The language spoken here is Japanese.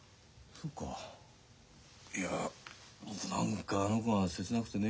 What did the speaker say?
いや何かあの子が切なくてね。